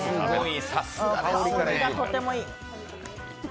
香りがとてもいい。